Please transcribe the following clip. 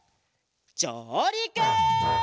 じょうりく！